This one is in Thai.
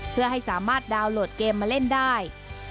เพื่อให้สามารถดาวน์โหลดเกมมาเล่นได้